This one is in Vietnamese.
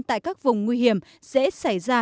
tại các vùng nguy hiểm dễ xảy ra